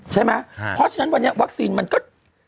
ใช่ไหมเพราะฉะนั้นวันนี้วัคซีนมันก็